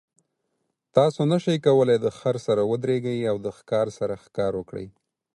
تاسو نشئ کولی د خر سره ودریږئ او د ښکار سره ښکار وکړئ.